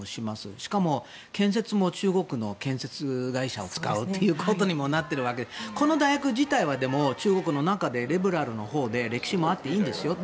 しかも、建設も中国の建設会社を使うことにもなっているわけでこの大学自体は中国の中でリベラルなほうで歴史もあっていいんですよ。